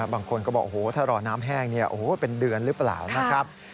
บางคนก็บอกถ้ารอน้ำแห้งโอ้โฮเป็นเดือนรึเปล่านะครับ